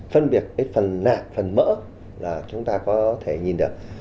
phân biệt cái phần nạp phần mỡ là chúng ta có thể nhìn được